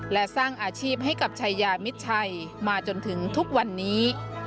และสร้างอาชีพให้กับชายามิดชัยมาจนถึงทุกวันนี้